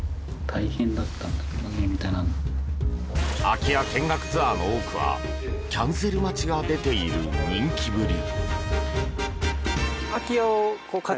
空き家見学ツアーの多くはキャンセル待ちが出ている人気ぶり。